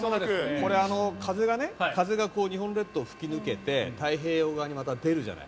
これ、風が日本列島を吹き抜けて太平洋側にまた出るじゃない。